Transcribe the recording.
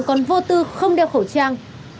còn vô tư không đeo khẩu trang